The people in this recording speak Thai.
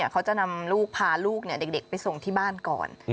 เขาจะนำลูกพาลูกเด็กไปส่งที่บ้านก่อน